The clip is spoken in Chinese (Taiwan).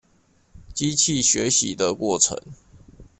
機器學習的過程